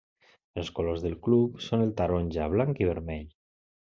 Els colors del club són el taronja, blanc i vermell.